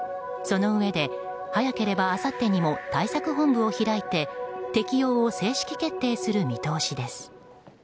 そのうえで早ければあさってにも対策本部を開いて適用を正式決定する見通しです。